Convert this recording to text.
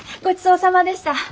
ごちそうさまでした。